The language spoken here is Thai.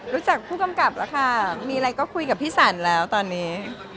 รู้จักผู้กำกับแล้วค่ะมีอะไรก็คุยกับพี่สันแล้วตอนนี้